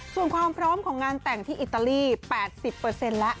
ส่วนความพร้อมของงานแต่งที่อิตาลี๘๐แล้ว